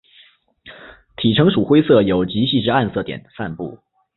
体成鼠灰色有极细之暗色点散布。